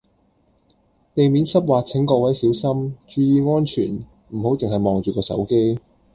地面濕滑請各位小心，注意安全唔好淨係望住個手機